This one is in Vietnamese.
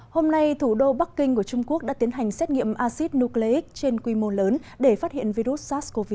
hôm nay thủ đô bắc kinh của trung quốc đã tiến hành xét nghiệm acid nucleic trên quy mô lớn để phát hiện virus